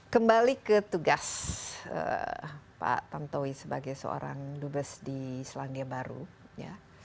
kembali ke tugas pak tantowi sebagai seorang dubes di selandia baru ya